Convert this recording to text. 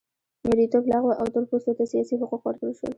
مریتوب لغوه او تور پوستو ته سیاسي حقوق ورکړل شول.